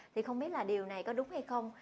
thì không biết là điều này có đúng hay không